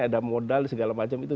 ada modal segala macam itu